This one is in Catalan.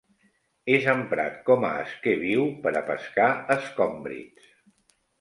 És emprat com a esquer viu per a pescar escòmbrids.